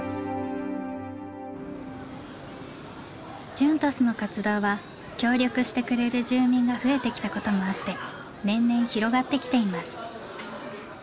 ＪＵＮＴＯＳの活動は協力してくれる住民が増えてきたこともあって年々広がってきています。